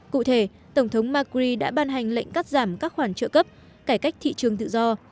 cụ thể tổng thống macri đã ban hành lệnh cắt giảm các khoản trợ cấp cải cách thị trường tự do